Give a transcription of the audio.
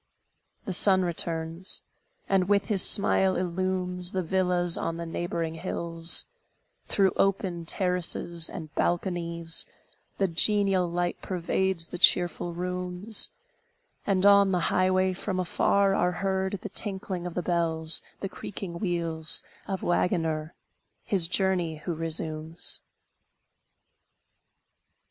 The sun returns, and with his smile illumes The villas on the neighboring hills; Through open terraces and balconies, The genial light pervades the cheerful rooms; And, on the highway, from afar are heard The tinkling of the bells, the creaking wheels Of waggoner, his journey who resumes.